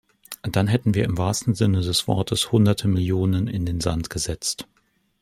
Dann hätten wir im wahrsten Sinne des Wortes Hunderte Millionen in den Sand gesetzt.